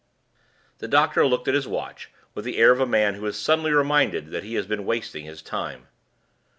The doctor looked at his watch with the air of a man who is suddenly reminded that he has been wasting his time.